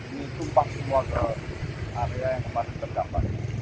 ini tumpah semua ke area yang masih terdampak